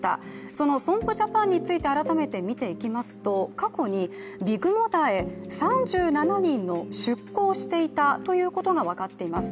その損保ジャパンについて改めて見ていきますと、過去にビッグモーターへ、３７人出向していたということが分かっています。